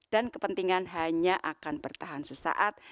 dan kepentingan hanya akan bertahan sesaat